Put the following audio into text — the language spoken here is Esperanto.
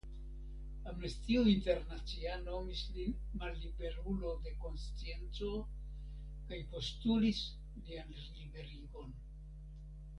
Amnestio Internacia nomis lin malliberulo de konscienco kaj postulis lian liberigon.